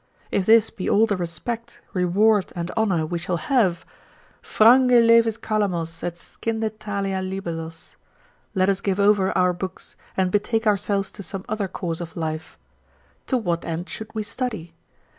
If this be all the respect, reward and honour we shall have, frange leves calamos, et scinde Thalia libellos: let us give over our books, and betake ourselves to some other course of life; to what end should we study?